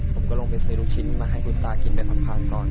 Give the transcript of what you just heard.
ผมก็ลงไปซื้อลูกชิ้นมาให้คุณตากินไปทำทานก่อน